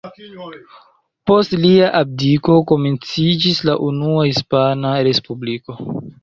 Post lia abdiko, komenciĝis la Unua Hispana Respubliko.